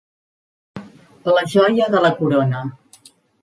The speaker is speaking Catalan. La joia de la corona.